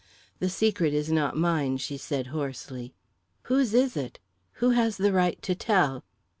"The secret is not mine," she said hoarsely. "Whose is it? Who has the right to tell?"